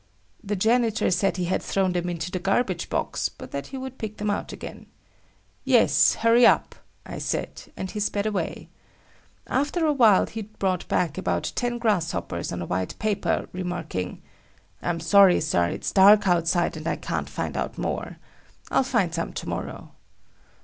The janitor said he had thrown them into the garbage box, but that he would pick them out again. "Yes, hurry up," I said, and he sped away. After a while he brought back about ten grasshoppers on a white paper, remarking: "I'm sorry, Sir. It's dark outside and I can't find out more. I'll find some tomorrow."